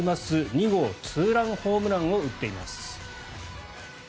２号ツーランホームランを打っています。